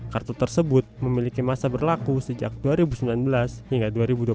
kartu tersebut memiliki masa berlaku sejak dua ribu sembilan belas hingga dua ribu dua puluh satu